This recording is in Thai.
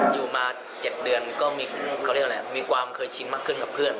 อยู่มา๗เดือนก็มีความเคยชินมากขึ้นกับเพื่อน